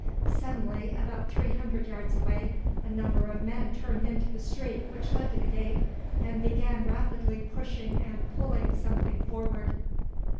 Suddenly, about three hundred yards away, a number of men turned into the street which led to the gate, and began rapidly pushing and pulling something forward.